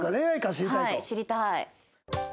はい知りたい。